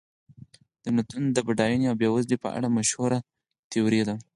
د ملتونو د بډاینې او بېوزلۍ په اړه مشهوره تیوري ده.